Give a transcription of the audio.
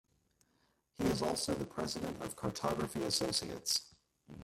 He is also the president of Cartography Associates.